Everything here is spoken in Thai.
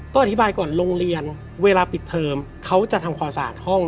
อธิบายก่อนโรงเรียนเวลาปิดเทอมเขาจะทำความสะอาดห้อง